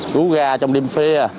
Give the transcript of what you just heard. cú ga trong đêm phia